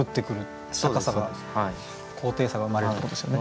高さが高低差が生まれるってことですよね。